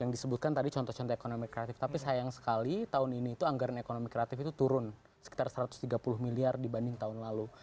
yang disebutkan tadi contoh contoh ekonomi kreatif tapi sayang sekali tahun ini itu anggaran ekonomi kreatif itu turun sekitar satu ratus tiga puluh miliar dibanding tahun lalu